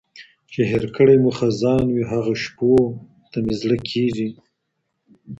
چي هېر کړی مو خزان وي هغو شپو ته مي زړه کیږي.